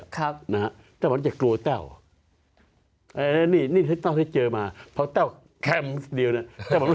ก็เพราะฟังไต้หวันจะกลัวไต้หวัน